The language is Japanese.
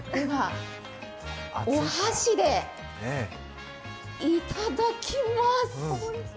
お箸でいただきます。